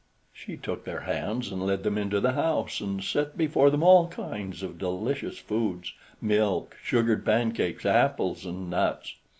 She took their hands and led them into the house, and set before them all kinds of delicious foods, milk, sugared pancakes, apples, and nuts.